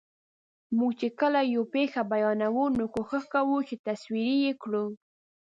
موږ چې کله یوه پېښه بیانوو، نو کوښښ کوو چې تصویري یې کړو.